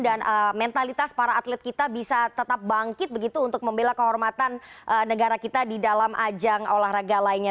dan mentalitas para atlet kita bisa tetap bangkit begitu untuk membela kehormatan negara kita di dalam ajang olahraga lainnya